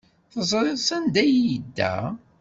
Teẓriḍ sanda ay yedda?